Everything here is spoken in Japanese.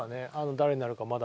誰になるかはまだ。